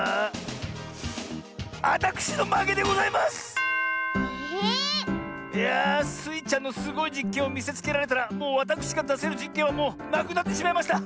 ⁉いやスイちゃんのすごいじっけんをみせつけられたらもうわたくしがだせるじっけんはもうなくなってしまいました。